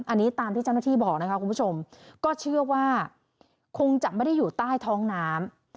อันนี้ตามที่เจ้าหน้าที่บอกนะคะคุณผู้ชมก็เชื่อว่าคงจะไม่ได้อยู่ใต้ท้องน้ำ